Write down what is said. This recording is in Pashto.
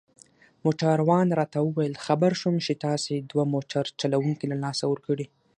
موټروان راته وویل: خبر شوم چي تاسي دوه موټر چلوونکي له لاسه ورکړي.